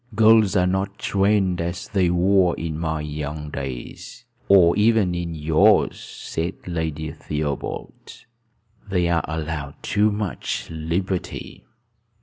"Girls are not trained as they were in my young days, or even in yours," said Lady Theobald. "They are allowed too much liberty.